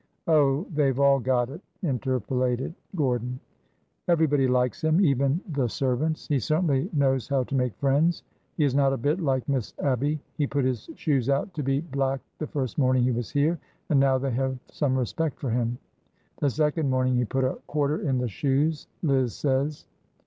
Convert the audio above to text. Oh, they 've all got it! " inter polated Gordon.] Everybody likes him, even the ser vants. He certainly knows how to make friends. He is not a bit like Miss Abby. He put his shoes out to be blacked the first morning he was here, and now they have some respect for him. The second morning he put a quarter in the shoes, Liz says.